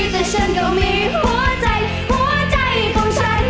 แต่ฉันก็มีหัวใจหัวใจของฉัน